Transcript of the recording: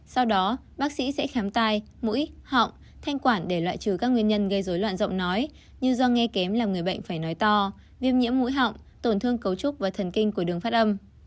sau đó bác sĩ sẽ khám tai mũi họng thanh quản để loại trừ các nguyên nhân gây dối loạn giọng nói như do nghe kém là người bệnh phải nói to viêm nhiễm mũi họng tổn thương cấu trúc và thần kinh của đường phát âm